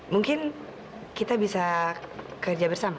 mungkin kita bisa kerja bersama